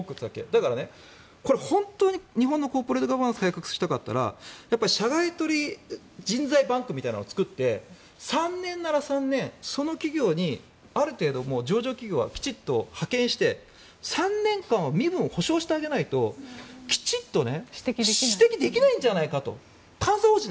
だから、これは本当に日本のコーポレートガバナンスを改革したかったら社外取締役人材バンクみたいなのを作って３年なら３年その企業にある程度上場企業はきちんと派遣して３年間は身分を保証してあげないときちんと指摘できないんじゃないかと。